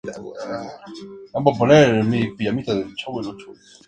Recibió varios premios como director teatral y como actor.